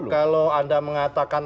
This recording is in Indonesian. kalau anda mengatakan